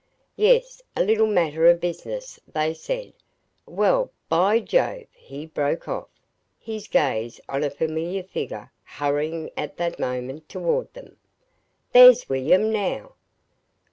"Yes. A little matter of business they said; but well, by Jove!" he broke off, his gaze on a familiar figure hurrying at that moment toward them. "There's William now!"